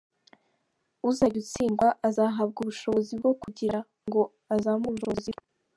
Uzajya utsindwa, azahabwa ubushobozi bwo kugira ngo azamure ubushobozi bwe.